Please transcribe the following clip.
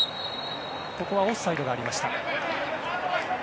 ここはオフサイドがありました。